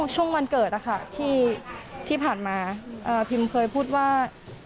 ช่วงวันเกิดนะคะที่ผ่านมาพิมเคยพูดว่า